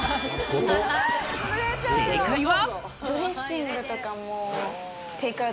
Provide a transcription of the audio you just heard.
正解は。